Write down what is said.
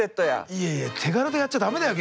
いえいえ手軽でやっちゃダメだよ